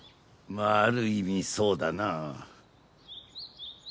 まあある意味そうだな。